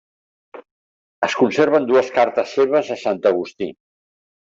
Es conserven dues cartes seves a Sant Agustí.